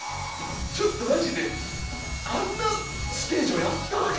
ちょっとマジであんなステージをやったわけじゃない。